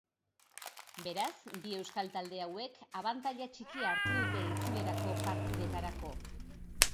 Beraz, bi euskal talde hauek abantaila txikia hartu dute itzulerako partidetarako.